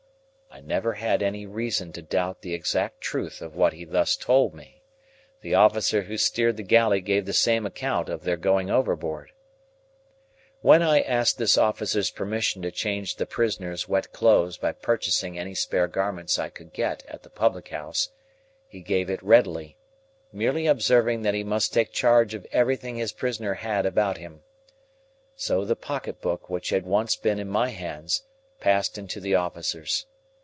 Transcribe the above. I never had any reason to doubt the exact truth of what he thus told me. The officer who steered the galley gave the same account of their going overboard. When I asked this officer's permission to change the prisoner's wet clothes by purchasing any spare garments I could get at the public house, he gave it readily: merely observing that he must take charge of everything his prisoner had about him. So the pocket book which had once been in my hands passed into the officer's.